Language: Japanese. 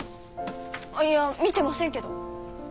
あっいや見てませんけど。